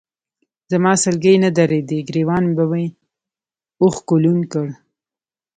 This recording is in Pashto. زما سلګۍ نه درېدې، ګرېوان مې به اوښکو لوند کړ.